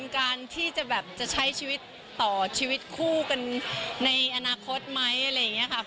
การที่จะแบบจะใช้ชีวิตต่อชีวิตคู่กันในอนาคตไหมอะไรอย่างนี้ค่ะ